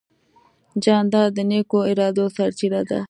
جانداد د نیکو ارادو سرچینه ده.